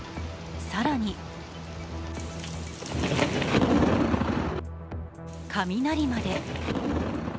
更に雷まで。